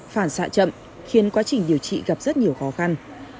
phản xạ chậm khiến quá trình điều trị gặp rất nhiều khó khăn